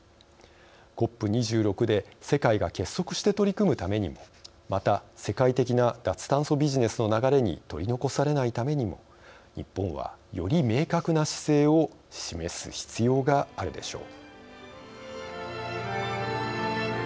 ＣＯＰ２６で世界が結束して取り組むためにもまた世界的な脱炭素ビジネスの流れに取り残されないためにも日本は、より明確な姿勢を示す必要があるでしょう。